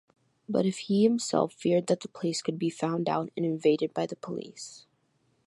But if he himself feared that the place could be found out and invaded by the police